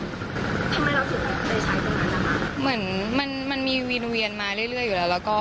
ถ้ามันไม่มีใช้สไทยเราจะเกือบร้อนอะไรมั้ย